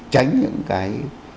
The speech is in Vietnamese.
tránh những cái